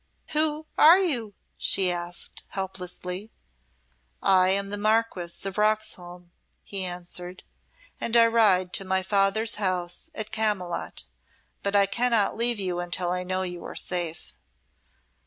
"Who are you?" she asked, helplessly. "I am the Marquess of Roxholm," he answered, "and I ride to my father's house at Camylott; but I cannot leave you until I know you are safe."